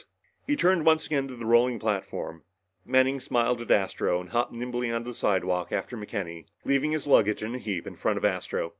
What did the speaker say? He turned once again to the rolling platform. Manning smiled at Astro and hopped nimbly onto the slidewalk after McKenny, leaving his luggage in a heap in front of Astro.